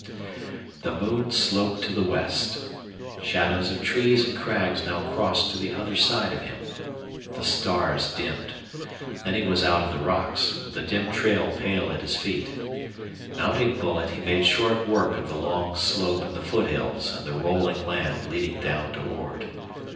The moon sloped to the west. Shadows of trees and crags now crossed to the other side of him. The stars dimmed. Then he was out of the rocks, with the dim trail pale at his feet. Mounting Bullet, he made short work of the long slope and the foothills and the rolling land leading down to Ord.